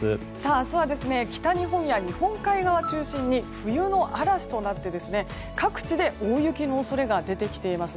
明日は北日本や日本海側を中心に冬の嵐となって各地で大雪の恐れが出てきています。